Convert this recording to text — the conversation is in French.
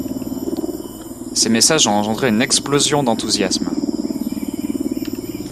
Ces messages ont engendré une explosion d'enthousiasme.